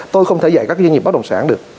tôi không thể dạy các doanh nghiệp bất động sản được